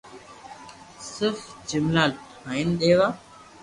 صرف جملا ٺائين ديوا